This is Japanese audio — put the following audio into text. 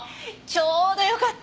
ちょうどよかった！